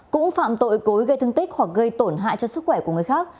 cũng phạm tội cố ý gây thương tích hoặc gây tổn hại cho sức khỏe của người khác